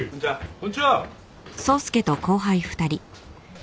こんにちは。